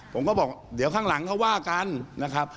ผมก็บอกเดี๋ยวข้างหลังเขาว่ากันนะครับ